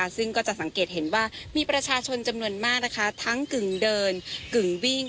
ซึ่งก็จะสังเกตเห็นว่ามีประชาชนจำนวนมากนะคะทั้งกึ่งเดินกึ่งวิ่ง